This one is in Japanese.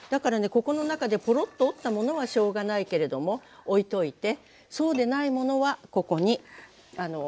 ここの中でポロッと落ちたものはしょうがないけれどもおいといてそうでないものはここに。